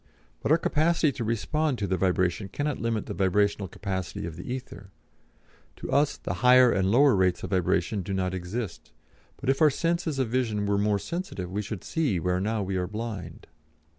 But our capacity to respond to the vibration cannot limit the vibrational capacity of the ether; to us the higher and lower rates of vibration do not exist, but if our sense of vision were more sensitive we should see where now we are blind.